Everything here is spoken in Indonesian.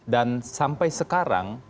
dan sampai sekarang